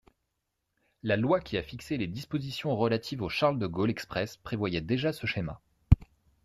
La loi qui a fixé les dispositions relatives au Charles-de-Gaulle Express prévoyait déjà ce schéma.